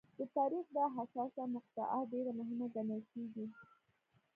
د تاریخ دا حساسه مقطعه ډېره مهمه ګڼل کېږي.